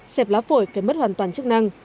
xẹp lá phổi phải mất hoàn toàn chức năng